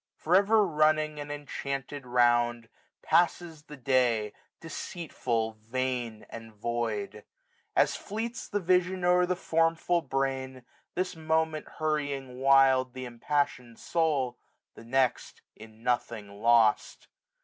For ever running an enchanted round. Passes the day, deceitful, vain, and void; 1630 As fleets the vision o*er the formful brain, This moment hurrying wild th' impassioned soul. The next in nothing lost.